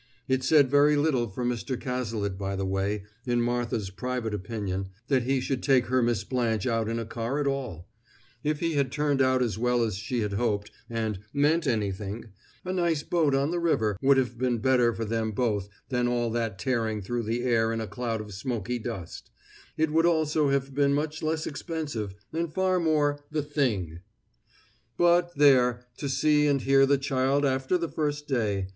It said very little for Mr. Cazalet, by the way, in Martha's private opinion, that he should take her Miss Blanche out in a car at all; if he had turned out as well as she had hoped, and "meant anything," a nice boat on the river would have been better for them both than all that tearing through the air in a cloud of smoky dust; it would also have been much less expensive, and far more "the thing". But, there, to see and hear the child after the first day!